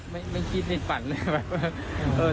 ไม่คิดในฝันเลย